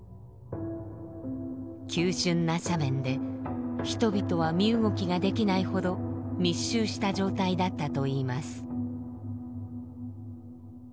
急しゅんな斜面で人々は身動きができないほど密集した状態だったといいます。